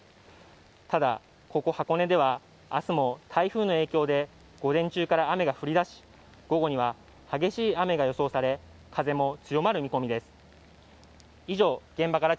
ただ、ここ箱根では明日も台風の影響で午前中から雨が降り出し、午後には激しい雨が予想され風も強まる見込みです。